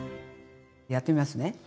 やってみますね。